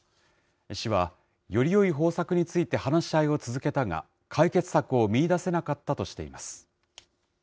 市はよりよい方策について話し合いを続けたが、解決策を見いだせなかったとしています。